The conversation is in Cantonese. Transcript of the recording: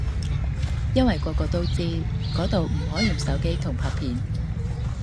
因為個個都知嗰度唔可以用手機同拍片